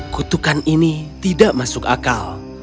kutukan ini tidak masuk akal